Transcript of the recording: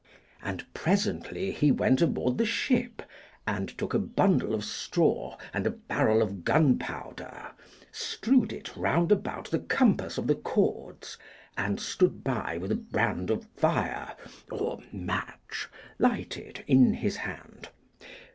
And presently he went aboard the ship, and took a bundle of straw and a barrel of gunpowder, strewed it round about the compass of the cords, and stood by with a brand of fire or match lighted in his hand.